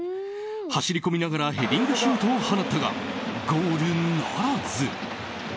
走り込みながらヘディングシュートを放ったがゴールならず。